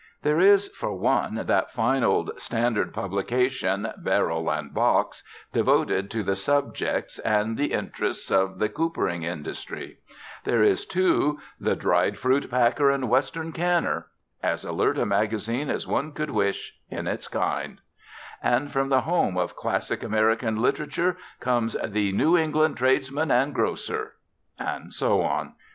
There is, for one, that fine, old, standard publication, Barrel and Box, devoted to the subjects and the interests of the coopering industry; there is, too, The Dried Fruit Packer and Western Canner, as alert a magazine as one could wish in its kind; and from the home of classic American literature comes The New England Tradesman and Grocer. And so on.